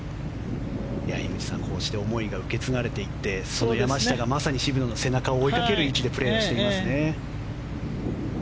樋口さん、こうした思いが受け継がれていってその山下がまさに渋野の背中を追いかける位置でプレーしていますね。